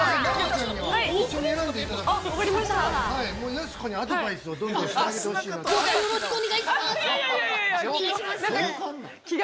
◆やす子にアドバイスをどんどんしてあげてほしいなと。